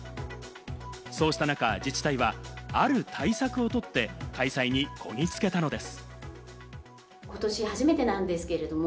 そうした中、自治体はある対策をとって開催にこぎつけたのです。